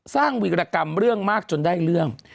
วีรกรรมเรื่องมากจนได้เรื่อง